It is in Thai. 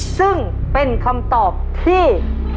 ซึ่งเป็นคำตอบที่